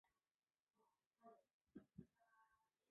吻短而钝圆。